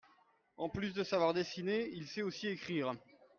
En plus de savoir dessiner il sait aussi écrire.